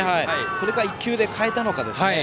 それか１球で変えたかですね。